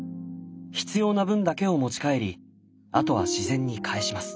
必要な分だけを持ち帰りあとは自然にかえします。